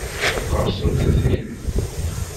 Ad qqerṣent si tikli.